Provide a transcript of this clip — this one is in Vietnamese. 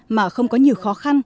mà không có nhiều khó khăn